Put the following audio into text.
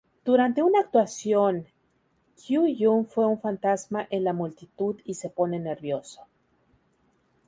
Durante una actuación, Kyuhyun ve un fantasma en la multitud y se pone nervioso.